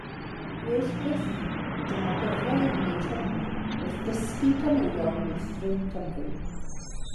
Gwell fyth, dyma gyfle i wneud hynny wrth ddysgu caneuon meithrin Cymru.